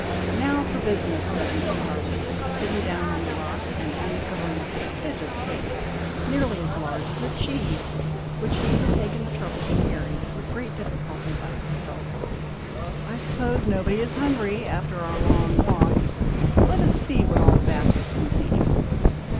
"Now, for business!" said Mr. Harwood, sitting down on the rock, and uncovering a prodigious cake, nearly as large as a cheese, which he had taken the trouble to carry, with great difficulty, up the hill. "I suppose nobody is hungry after our long walk! Let us see what all the baskets contain!"